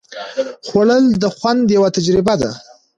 خوړل د خوند یوه تجربه ده